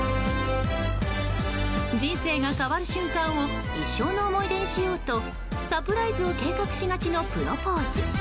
人生が変わる瞬間を一生の思い出にしようとサプライズを計画しがちのプロポーズ。